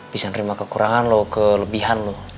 bisa nerima kekurangan lo kelebihan lo